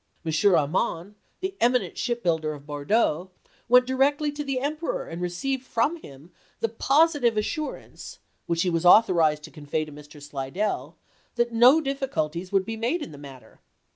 M. Ar man, the eminent ship builder of Bordeaux, went directly to the Emperor and received from him the positive assurance, which he was authorized to con vey to Mr. Slidell, that no difficulties would be made in the matter.